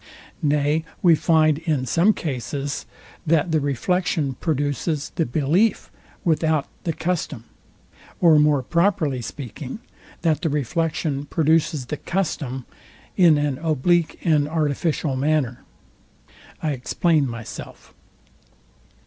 Nay we find in some cases, that the reflection produces the belief without the custom; or more properly speaking, that the reflection produces the custom in an oblique and artificial manner. I explain myself.